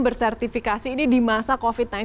bersertifikasi ini di masa covid sembilan belas